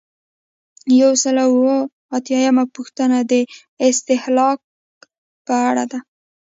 یو سل او اووه اتیایمه پوښتنه د استهلاک په اړه ده.